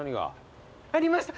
ありました。